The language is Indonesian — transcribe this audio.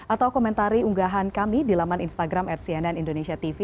atau komentari unggahan kami di laman instagram at cnn indonesia tv